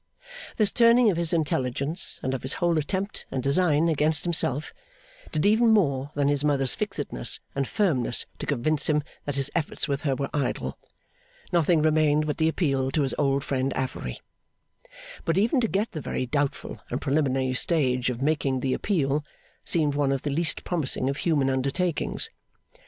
This turning of his intelligence and of his whole attempt and design against himself, did even more than his mother's fixedness and firmness to convince him that his efforts with her were idle. Nothing remained but the appeal to his old friend Affery. But even to get the very doubtful and preliminary stage of making the appeal, seemed one of the least promising of human undertakings.